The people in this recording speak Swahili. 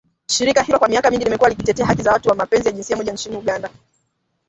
Shirika hilo kwa miaka mingi limekuwa likitetea haki za watu wa mapenzi ya jinsia moja nchini Uganda.